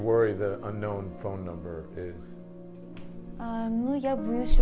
apa yang kamu khawatirkan tentang nomor yang tidak diketahui